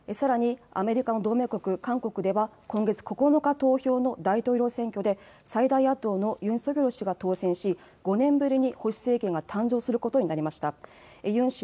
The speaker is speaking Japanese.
さらにアメリカの同盟国、韓国では、今月９日投票の大統領選挙で、最大野党のユン・ソギョル氏が当選し、５年ぶりに保守政権が誕生することになりました。